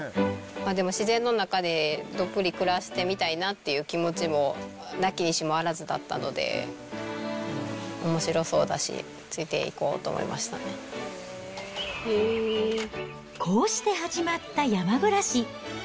でも、自然の中でどっぷり暮らしてみたいなって気持ちもなきにしもあらずだったので、おもしろそうだし、こうして始まった山暮らし。